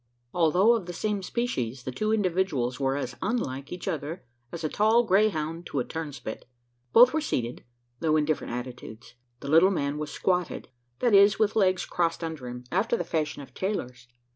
Although of the same species, the two individuals were as unlike each other as a tall greyhound to a turnspit. Both were seated, though in different attitudes. The little man was "squatted" that is, with legs crossed under him, after the fashion of tailors.